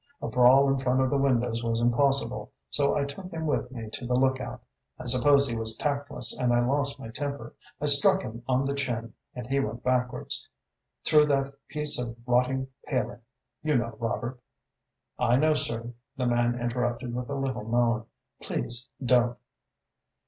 A brawl in front of the windows was impossible, so I took him with me to the lookout. I suppose he was tactless and I lost my temper. I struck him on the chin and he went backwards, through that piece of rotten paling, you know, Robert " "I know, sir," the man interrupted, with a little moan. "Please don't!"